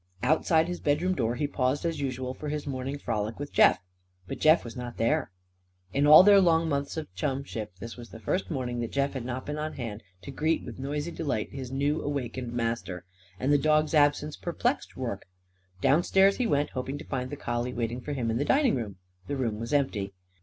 Outside his bedroom door he paused as usual for his morning frolic with Jeff. But Jeff was not there. In all their long months of chumship this was the first morning that Jeff had not been on hand to greet with noisy delight his new awakened master. And the dog's absence perplexed Rorke. Downstairs he went, hoping to find the collie waiting for him in the dining room. The room was empty.